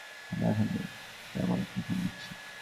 আমি এখনই সামারকে ফোন দিচ্ছি।